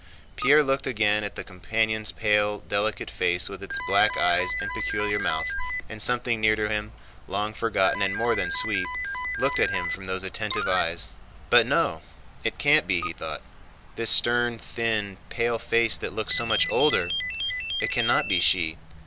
Pierre looked again at the companion's pale, delicate face with its black eyes and peculiar mouth, and something near to him, long forgotten and more than sweet, looked at him from those attentive eyes. "But no, it can't be!" he thought. "This stern, thin, pale face that looks so much older! It cannot be she.